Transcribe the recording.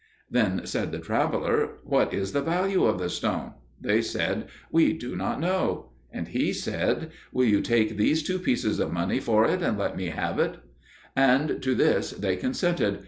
Then said the traveller, "What is the value of the stone?" They said, "We do not know." And he said, "Will you take these two pieces of money for it and let me have it?" And to this they consented.